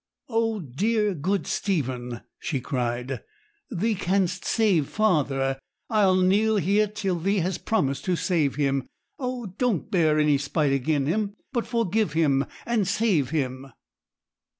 'Oh, dear, good Stephen,' she cried, 'thee canst save father! I'll kneel here till thee has promised to save him. Oh, don't bear any spite agen him, but forgive him and save him!'